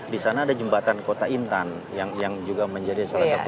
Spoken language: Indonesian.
di sana ada jembatan kota intan yang juga menjadi salah satu